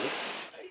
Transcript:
はい。